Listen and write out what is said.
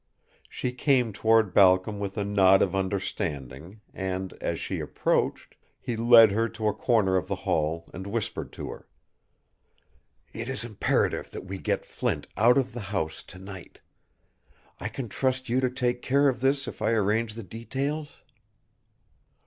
She came toward Balcom with a nod of understanding, and, as she approached, he led her to a corner of the hall and whispered to her. "It is imperative that we get Flint out of the house to night. I can trust you to take care of this if I arrange the details?"